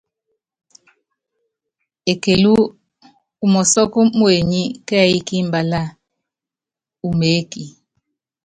Ekelú umɔ́sɔ́k muenyi kɛ́ɛ́y kí imbalá uméeki.